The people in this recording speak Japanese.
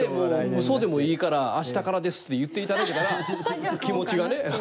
もう嘘でもいいから明日からですって言っていただけたら気持ちがね。